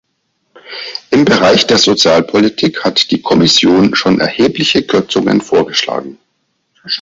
Im Bereich der Sozialpolitik hat die Kommssion schon erhebliche Kürzungen vorgeschlagen.